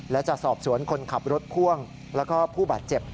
และจะสอบสวนคนขับรถพ่วงแล้วก็ผู้บาดเจ็บ